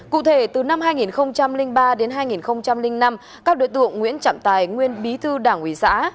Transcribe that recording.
cụ thể từ năm hai nghìn ba đến hai nghìn năm các đối tượng nguyễn trọng tài nguyên bí thư đảng ủy xã